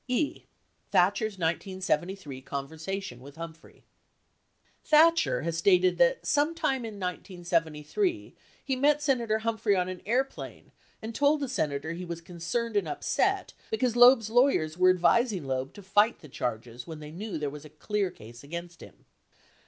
E. Thatcher's 1973 Conversation With Humphrey Thatcher has stated that sometime in 1973, he met Senator Hum phrey on an airplane and told the Senator he was concerned and upset because Loeb's lawyers were advising Loeb to fight the charges when they knew there was a clear case against him.